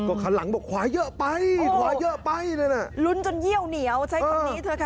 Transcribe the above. ก็คันหลังบอกขวาเยอะไปขวาเยอะไปนั่นน่ะลุ้นจนเยี่ยวเหนียวใช้คำนี้เถอะค่ะ